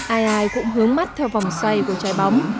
ai ai cũng hướng mắt theo vòng xoay của trái bóng